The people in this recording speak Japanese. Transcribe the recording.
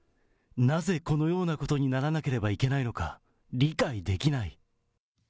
なぜ、このようなことにならなければいけないのか、理解できない。